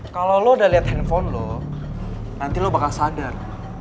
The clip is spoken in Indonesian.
kalau lo udah lihat handphone lo nanti lo bakal sadar